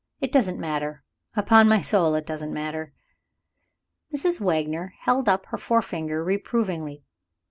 It doesn't matter. Upon my soul, it doesn't matter." Mrs. Wagner held up her forefinger reprovingly.